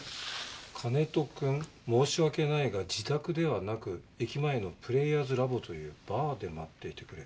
「金戸くん申し訳ないが自宅ではなく駅前のプレイヤーズラボというバーで待っていてくれ。